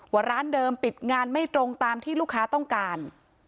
ว่าร้านเดิมปิดงานไม่ตรงตามที่ลูกค้าต้องการ